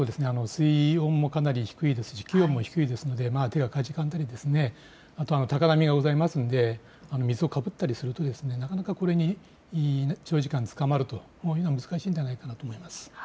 水温もかなり低いですし気温も低いので手がかじかんだり、あとは高波があるので水をかぶったりするとなかなかこれに長時間、つかまるというのは難しいのではないかと思います。